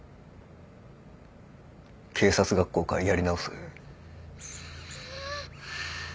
警察学校からやり直せ。